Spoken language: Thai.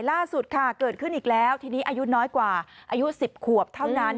ล่าสุดค่ะเกิดขึ้นอีกแล้วทีนี้อายุน้อยกว่าอายุ๑๐ขวบเท่านั้น